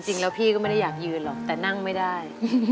จริงแล้วพี่ก็ไม่ได้อยากยืนหรอกแต่นั่งไม่ได้